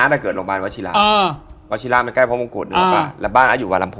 เรียนเชิญเลยฮะ